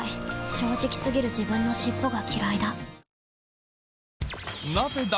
正直過ぎる自分の尻尾がきらいだ